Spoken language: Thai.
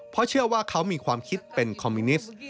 เพราะเชื่อว่าเขามีความคิดเป็นคอมมิวนิสต์